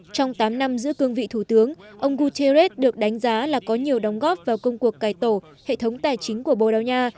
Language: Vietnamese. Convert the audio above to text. trong tám năm giữ cương vị thủ tướng ông guterres được đánh giá là có nhiều đóng góp vào công cuộc cải tổ hệ thống tài chính của bồ đào nha